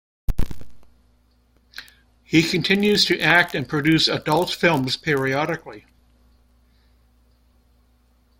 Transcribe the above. He continues to act and produce adult films periodically.